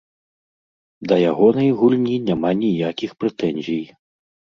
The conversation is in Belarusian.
Да ягонай гульні няма ніякіх прэтэнзій.